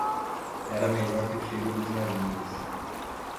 Era melhor que o cheiro dos narguilés.